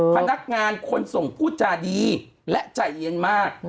พนักงานคนส่งพูดจาดีและใจเย็นมาก